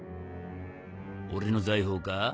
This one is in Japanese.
「俺の財宝か？